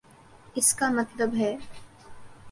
اس کا مطلب ہے۔